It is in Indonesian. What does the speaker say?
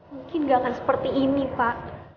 mungkin nggak akan seperti ini pak